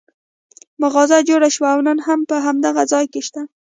مغازه جوړه شوه او نن هم په هماغه ځای کې شته.